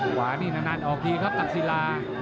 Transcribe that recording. ขวานี่นานออกทีครับตักศิลา